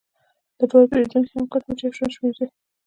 د دواړو پیرودونکي هم په کټ مټ یو شان شمیر دي.